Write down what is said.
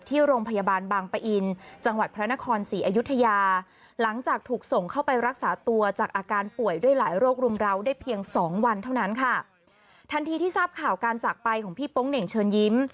ทันทีที่ทราบข่าวการจากไปของพี่โป๊งเหน่งเชิญยิ้ม